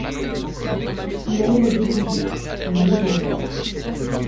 Il allait le débrider. On allait bien voir.